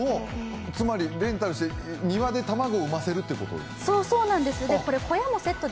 つまりレンタルして庭で卵を生ませるということ。